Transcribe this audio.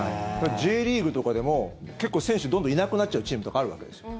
Ｊリーグとかでも結構、選手がどんどんいなくなっちゃうチームとかがあるわけですよ。